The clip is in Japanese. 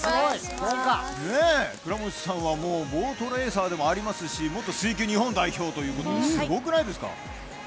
倉持さんはボートレーサーでもありますし元水球日本代表でもありますしすばらしいじゃないですか。